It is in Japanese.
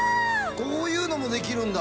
こういうのもできるんだ。